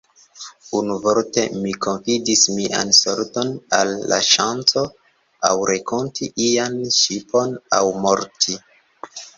Unuvorte, mi konfidis mian sorton al la ŝanco; aŭ renkonti ian ŝipon aŭ morti.